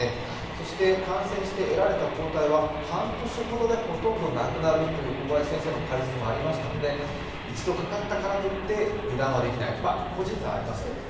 そして感染して得られた抗体は半年ほどでほとんどなくなるという小林先生のコメントがありましたので一度かかったからといって油断はできない、個人差はありますけど。